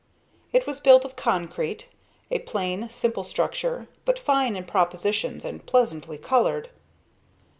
It was built of concrete, a plain simple structure, but fine in proportions and pleasantly colored.